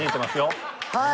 はい。